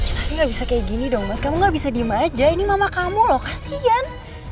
tapi nggak bisa kayak gini dong mas kamu gak bisa diem aja ini mama kamu loh kasihan